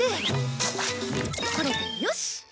これでよし！